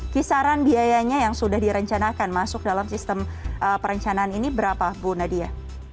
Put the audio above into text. kisaran biayanya yang sudah direncanakan masuk dalam sistem perencanaan ini berapa bu nadia